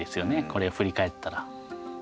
これ、振り返ったら。